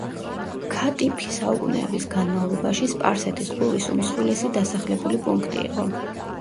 ქატიფი საუკუნეების განმავლობაში სპარსეთის ყურის უმსხვილესი დასახლებული პუნქტი იყო.